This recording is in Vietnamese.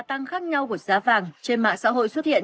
chất đa tăng khác nhau của giá vàng trên mạng xã hội xuất hiện